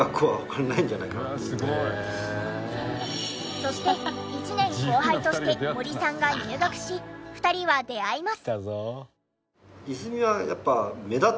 そして１年後輩として森さんが入学し２人は出会います。